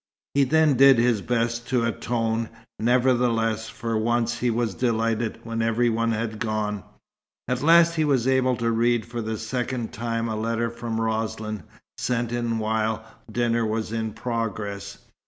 He then did his best to atone; nevertheless, for once he was delighted when every one had gone. At last he was able to read for the second time a letter from Roslin, sent in while dinner was in progress.